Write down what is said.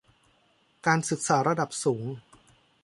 การศึกษาระดับสูง